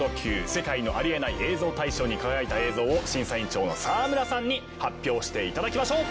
世界のありえない映像大賞に輝いた映像を審査委員長の沢村さんに発表していただきましょう。